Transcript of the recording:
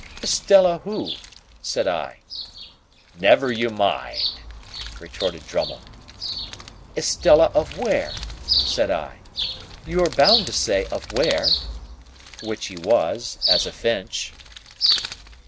"Estella who?" said I. "Never you mind," retorted Drummle. "Estella of where?" said I. "You are bound to say of where." Which he was, as a Finch.